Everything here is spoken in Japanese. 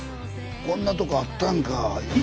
こんなとこあったんか。